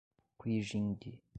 Quijingue